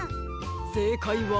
せいかいは。